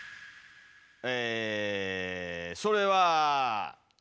えそれは。